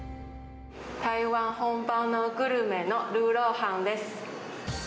台湾本場のグルメのルーローハンです。